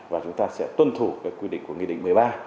và chúng ta sẽ tuân thủ cái quy định của nghị định một mươi ba